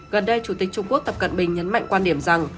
gần đây chủ tịch trung quốc tập cận bình nhấn mạnh quan điểm rằng